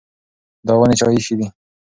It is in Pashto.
دا ونې چا ایښې دي؟